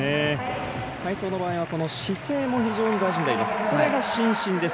体操の場合は姿勢も非常に大事になります。